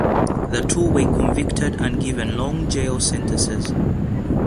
The two were convicted and given long jail sentences.